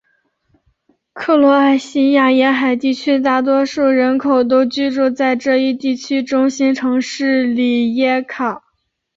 克罗埃西亚沿海地区的大多数人口都居住在这一地区的中心城市里耶卡。